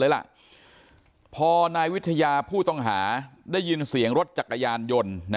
เลยล่ะพอนายวิทยาผู้ต้องหาได้ยินเสียงรถจักรยานยนต์